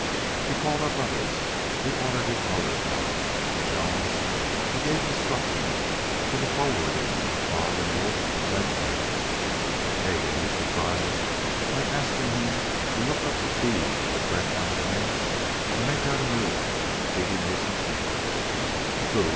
He called up others. He ordered his motor car. To Jones he gave instructions for the forwarding of Bob and Wolf to Glen Ellen. Hegan he surprised by asking him to look up the deed of the Glen Ellen ranch and make out a new one in Dede Mason's name. "Who?"